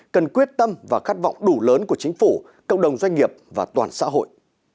cần quyết tâm và khát vọng đủ lớn của chính phủ cộng đồng doanh nghiệp và toàn xã hội